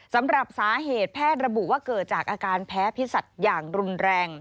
สำหรับสาเหตุแพทย์ระบุว่าเกิดจากอาการแพ้พิษัตริย์อย่างรุนแรง